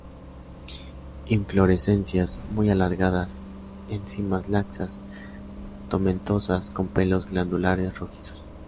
Inflorescencias muy alargadas, en cimas laxas, tomentosas con pelos glandulares rojizos.